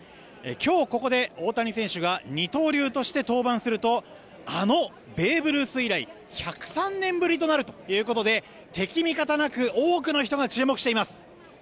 今日ここで大谷選手が二刀流として登板するとあのベーブ・ルース以来１０３年ぶりとなるということで敵味方なく多くの人が注目しています。